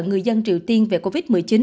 người dân triều tiên về covid một mươi chín